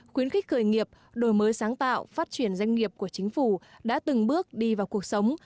khuyến khích khởi nghiệp đổi mới sáng tạo phát triển doanh nghiệp của chính phủ đã từng bước đi vào cuộc sống